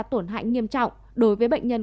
tổn hạnh nghiêm trọng đối với bệnh nhân